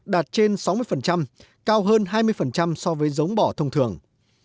đạt trên sáu mươi cao hơn hai mươi so với giống bỏ thông thường